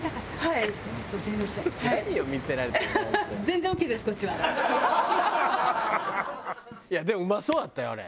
いやでもうまそうだったよあれ。